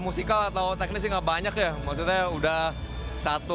membuat karyawan kompetensi dan memberikan kemampuan untuk kembali menjadi artis artis lleva artis atau